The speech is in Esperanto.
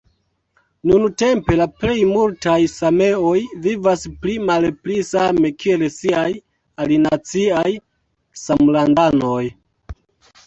Nuntempe la plej multaj sameoj vivas pli-malpli same kiel siaj alinaciaj samlandanoj.